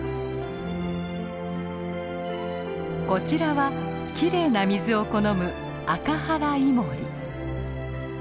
こちらはきれいな水を好むアカハライモリ。